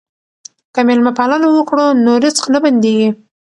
که مېلمه پالنه وکړو نو رزق نه بندیږي.